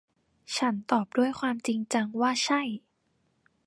ฉันตอบด้วยความจริงจังว่า ใช่